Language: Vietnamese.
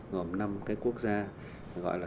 gồm năm quốc gia